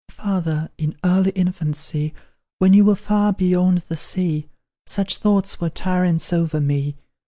"Father, in early infancy, When you were far beyond the sea, Such thoughts were tyrants over me!